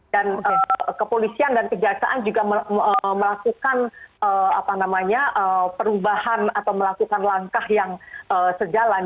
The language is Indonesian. dan kepolisian dan kejaksaan juga melakukan perubahan atau melakukan langkah yang sejalan